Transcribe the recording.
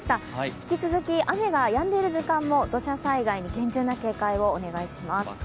引き続き、雨がやんでいる時間も土砂災害に厳重な警戒をお願いします。